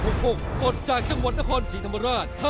สดจากจังหวัดนครศรีธรรมราช